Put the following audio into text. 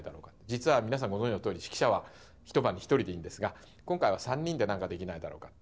実は皆さんご存じのとおり指揮者は一晩に一人でいいんですが今回は３人で何かできないだろうかと。